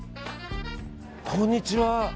こんにちは。